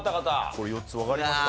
これ４つわかりました。